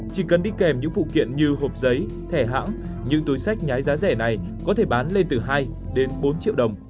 chỉ cần đi kèm những phụ kiện như hộp giấy thẻ hãng những túi sách nhái giá rẻ này có thể bán lên từ hai đến bốn triệu đồng